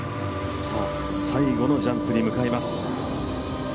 最後のジャンプに向かいます。